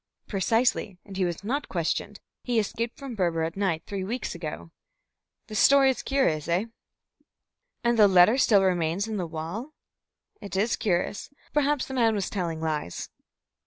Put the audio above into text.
"Precisely, and he was not questioned. He escaped from Berber at night, three weeks ago. The story is curious, eh?" "And the letter still remains in the wall? It is curious. Perhaps the man was telling lies."